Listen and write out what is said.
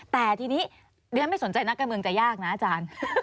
แต่ทีนี้ดิฉันไม่สนใจนักการเมืองจะยากนะอาจารย์